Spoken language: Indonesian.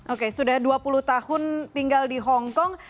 oke sudah dua puluh tahun tinggal di hongkong